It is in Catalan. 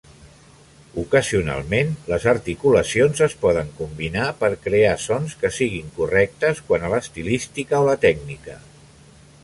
Ocasionalment, les articulacions es poden combinar per crear sons que siguin correctes quant a l'estilística o la tècnica.